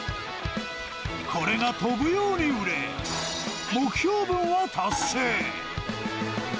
これが飛ぶように売れ、目標分を達成。